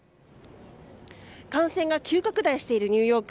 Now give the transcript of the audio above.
感染が急拡大しているニューヨーク。